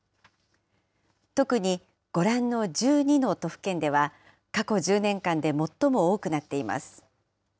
特にご覧の１２の都府県では、過去１０年間で最も多くなっています。